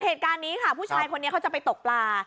เหตุการณ์นี้ค่ะผู้ชายคนนี้เขาจะไปตกปลา